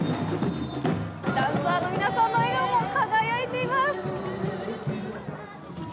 ダンサーの皆さんの笑顔も輝いています。